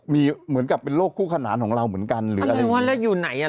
มีเหมือนกับเป็นโรคคู่ขนานของเราเหมือนกันหรืออะไรหรือว่าแล้วอยู่ไหนอ่ะ